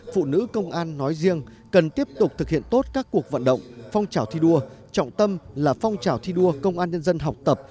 phụ nữ công an nói riêng cần tiếp tục thực hiện tốt các cuộc vận động phong trào thi đua trọng tâm là phong trào thi đua công an nhân dân học tập